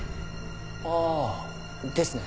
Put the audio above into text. ああですね。